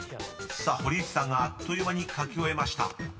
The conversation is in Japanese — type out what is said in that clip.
［さあ堀内さんがあっという間に書き終えました］